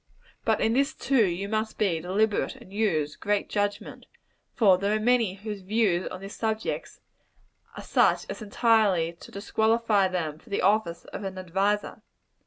But in this, too, you must be deliberate, and use great judgment; for there are many whose views on this subject are such as entirely to disqualify them for the office of an adviser.